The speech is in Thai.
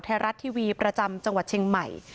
ไทยรัฐทีวีประจำจังหวัดเชียงใหม่